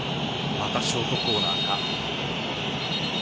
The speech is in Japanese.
また、ショートコーナーか。